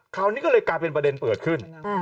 คราวนี้ก็เลยกลายเป็นประเด็นเกิดขึ้น